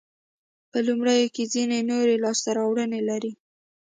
په لومړیو کې یې ځیني نورې لاسته راوړنې لرلې.